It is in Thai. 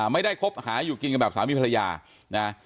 คบหาอยู่กินกันแบบสามีภรรยานะ